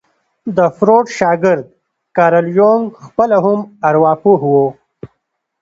د فروډ شاګرد کارل يونګ خپله هم ارواپوه وو.